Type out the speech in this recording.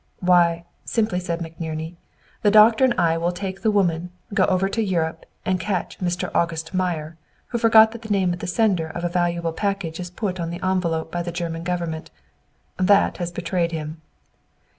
"Why," simply said McNerney, "the doctor and I will take the woman, go over to Europe, and catch 'Mr. August Meyer,' who forgot that the name of the sender of a valuable package is put on the envelope by the German government. That has betrayed him."